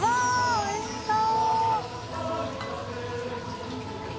おいしそう。